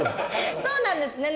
そうなんですね。